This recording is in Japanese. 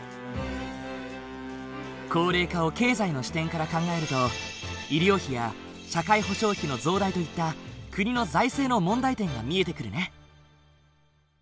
高齢化を経済の視点から考えると医療費や社会保障費の増大といった国の財政の問題点が見えてくるね。